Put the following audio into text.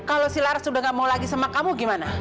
kalau si laras itu udah nggak mau lagi sama kamu gimana